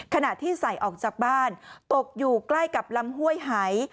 ขณะที่ใส่ออกจากบ้านตกอยู่ใกล้กับลำห้วยหาย